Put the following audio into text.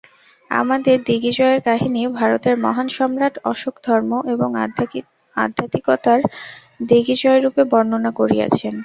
আমাদের দিগ্বিজয়ের কাহিনী ভারতের মহান সম্রাট অশোক ধর্ম ও আধ্যাত্মিকতার দিগ্বিজয়রূপে বর্ণনা করিয়াছেন।